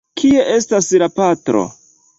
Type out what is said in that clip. Kie estas la patro?